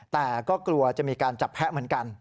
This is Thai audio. แต่ก็กลัวจะมีการจับแพะเหมือนกัน